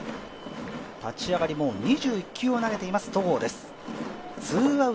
立ち上がり、もう２１球を投げています、戸郷です。